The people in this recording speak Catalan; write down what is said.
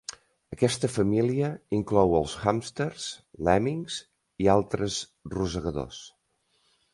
Aquesta família inclou els hàmsters, lèmmings i altres rosegadors.